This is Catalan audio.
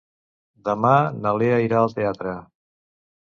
Demà na Lea irà al teatre.